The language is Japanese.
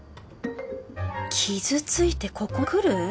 傷ついてここに来る？